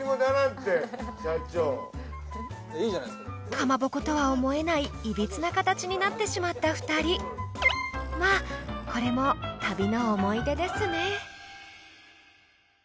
かまぼことは思えないいびつな形になってしまった２人まあこれも旅の思い出ですね